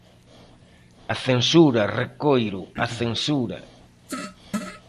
A Censura, recoiro, a Censura.